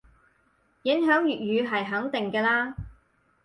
影響粵語係肯定嘅嘞